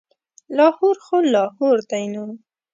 لاهور خو لاهور دی نو.